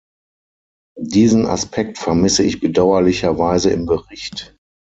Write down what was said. Diesen Aspekt vermisse ich bedauerlicherweise im Bericht.